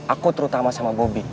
aku terutama sama bobi